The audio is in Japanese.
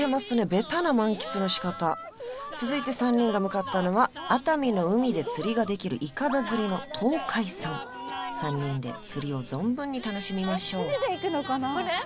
ベタな満喫のしかた続いて３人が向かったのは熱海の海で釣りができる筏釣りの東海さん３人で釣りを存分に楽しみましょうえっ